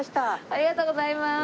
ありがとうございます。